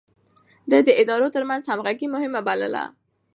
ده د ادارو ترمنځ همغږي مهمه بلله.